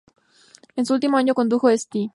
En su último año, condujo a St.